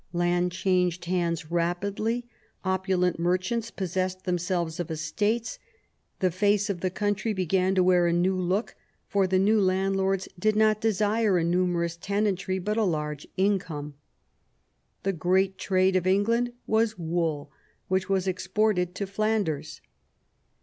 Land changed hands rapidly: opulent merchants possessed themselves of estates. The face of the country began to wear a new look, for the new landlords did not desire a numerous tenantry but a large income. The great trade of England was wool, which was exported to Flanders.